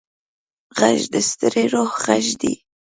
غږ د ستړي روح غږ دی